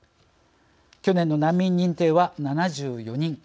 去年の難民認定は７４人。